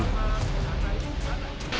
ketika dikumpulkan dikumpulkan